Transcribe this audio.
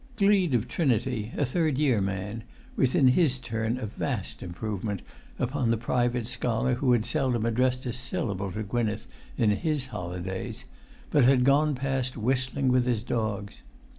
Gleed of Trinity, a third year man, was in his turn a vast improvement upon the private scholar who had seldom addressed a syllable to Gwynneth in his holidays, but had gone past whistling with his dogs.